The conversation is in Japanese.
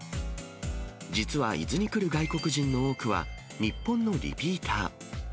実は伊豆に来る外国人の多くは、日本のリピーター。